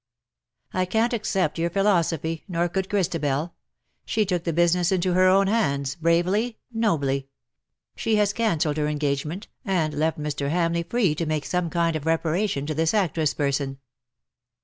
''''" I can't accept your philosophy, nor could Christabel. She took the business into her own handsj bravely, nobly. She has cancelled her engagement, and left Mr. Hamleigh free to make some kind of reparation to this actress person.